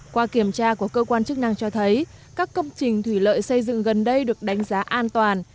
qua kiểm tra của cơ quan chức năng cho thấy các công trình thủy lợi xây dựng gần đây được đánh giá an toàn